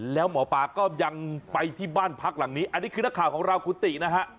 แล้วหมอปลาก็ยังไปที่บ้านพักหลังนี้อันนี้คือนักข่าวของเรากุฏินะฮะ